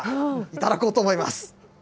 いただこうと思います。